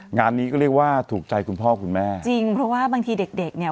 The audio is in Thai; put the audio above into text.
งานนี้ก็เรียกว่าถูกใจคุณพ่อคุณแม่จริงเพราะว่าบางทีเด็กเด็กเนี่ย